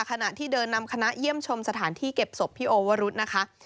ขณะที่เดินนำคณะเยี่ยมชมสถานที่เก็บศพพี่โอวรุธนะคะ